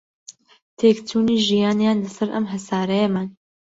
تێکچوونی ژیانیان لەسەر ئەم هەسارەیەمان